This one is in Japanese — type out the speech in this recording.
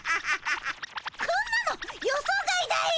こんなの予想外だよ